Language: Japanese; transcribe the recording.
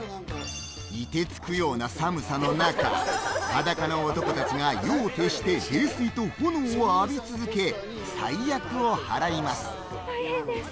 凍てつくような寒さの中、裸の男たちが夜を徹して次々と炎を浴び続け、災厄をはらいます。